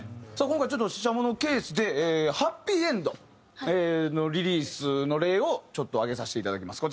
今回ちょっとＳＨＩＳＨＡＭＯのケースで『ハッピーエンド』のリリースの例をちょっと挙げさせていただきます。